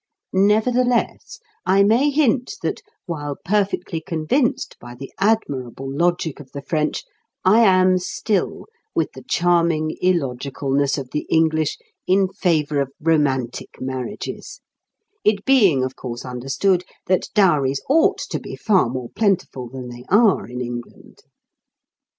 Nevertheless, I may hint that, while perfectly convinced by the admirable logic of the French, I am still, with the charming illogicalness of the English, in favour of romantic marriages (it being, of course, understood that dowries ought to be far more plentiful than they are in England).